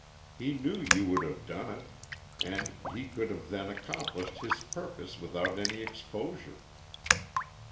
He knew you would have done it, and he could then have accomplished his purpose without any exposure.